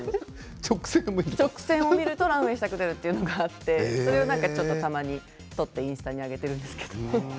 直線を見るとランウエーしたくなるというのがあってそれを撮ってたまにインスタに上げているんですけど。